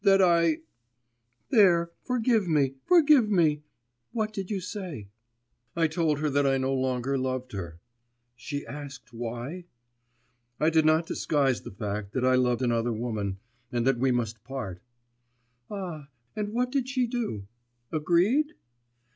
that I ' 'There, forgive me ... forgive me. What did you say?' 'I told her that I no longer loved her.' 'She asked why?' 'I did not disguise the fact that I loved another woman, and that we must part.' 'Ah ... and what did she do? Agreed?